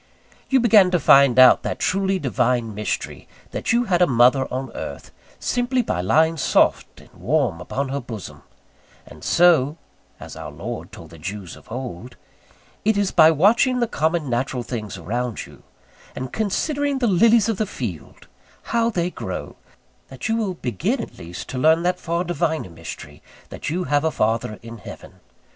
You began to find out that truly Divine mystery, that you had a mother on earth, simply by lying soft and warm upon her bosom; and so (as Our Lord told the Jews of old) it is by watching the common natural things around you, and considering the lilies of the field, how they grow, that you will begin at least to learn that far Diviner mystery, that you have a Father in Heaven.